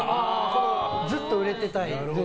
ずっと売れてたい？